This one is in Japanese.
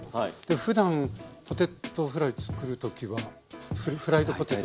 ふだんポテトフライ作る時はフライドポテト。